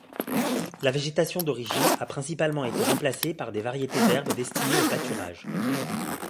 La végétation d'origine a principalement été remplacée par des variétés d'herbes destinées au pâturage.